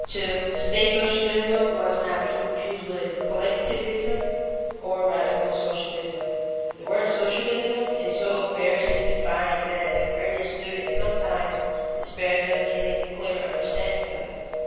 [Sidenote: Varieties of socialism] 2. State socialism must not be confused with collectivism, or radical socialism. The word socialism is so variously defined that the earnest student sometimes despairs of getting a clear understanding of it.